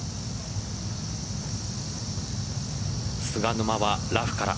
菅沼はラフから。